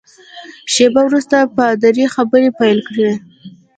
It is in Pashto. شېبه وروسته پادري خبرې پیل کړې.